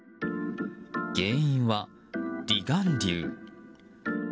原因は離岸流。